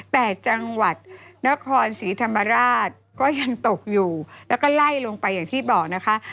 แต่จังหวัดนครศรีธรรมราชก็ยังตกอยู่แล้วก็ไล่ลงไปอย่างที่บอกนะคะ